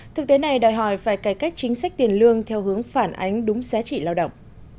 thực tế này đòi hỏi phải cải cách chính sách tiền lương theo hướng phản ánh đúng giá trị lao động